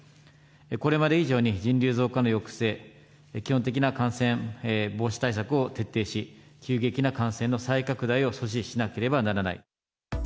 これまで以上に人流増加の抑制、基本的な感染防止対策を徹底し、急激な感染の再拡大を阻止しなければならない。